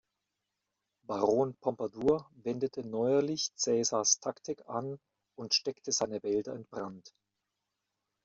Baron Pompadour wendete neuerlich Cäsars Taktik an und steckt seine Wälder in Brand.